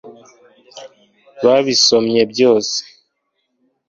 wabisomye byose